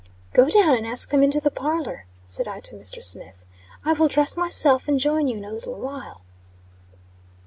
"Go down and ask them into the parlor," said I to Mr. Smith. "I will dress myself and join you in a little while."